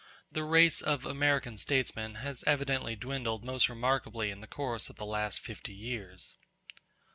The race of American statesmen has evidently dwindled most remarkably in the course of the last fifty years.